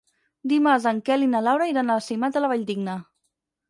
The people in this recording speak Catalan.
Dimarts en Quel i na Laura iran a Simat de la Valldigna.